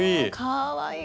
かわいい。